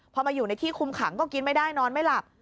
พอมาอยู่ในที่คุมขังก็กินไม่ได้นอนไม่หลับ